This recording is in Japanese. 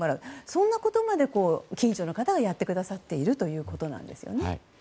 そんなことまで近所の方がやってくださっているんですね。